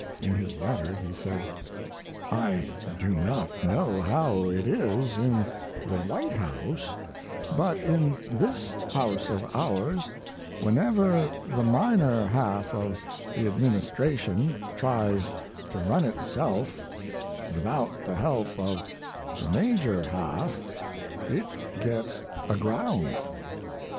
In his letter he said: I do not know how it is in the White House, but in this house of ours whenever the minor half of the administration tries to run itself without the help of the major half it gets aground.